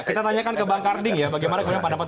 saya tanyakan ke bang karding ya bagaimana pendapat